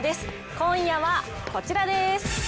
今夜はこちらです。